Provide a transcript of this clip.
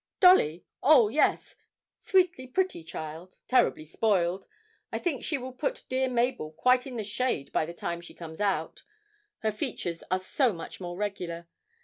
'Dolly? Oh yes. Sweetly pretty child terribly spoilt. I think she will put dear Mabel quite in the shade by the time she comes out; her features are so much more regular.